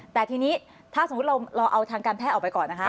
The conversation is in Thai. แต่ทีนี้ถ้าสมมุติเราเอาทางการแพทย์ออกไปก่อนนะคะ